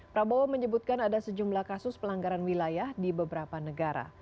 prabowo menyebutkan ada sejumlah kasus pelanggaran wilayah di beberapa negara